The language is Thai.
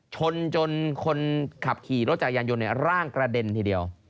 ชนจนคนขับขี่รถจักรยานยนต์ร่างกระเด็นทีเดียว